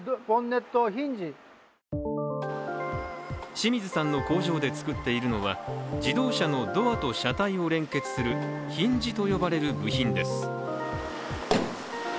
清水さんの工場で作っているのは自動車のドアと車体を連結するヒンジと呼ばれる部品です。